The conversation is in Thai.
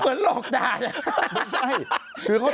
เหมือนหลอกด่าขึ้น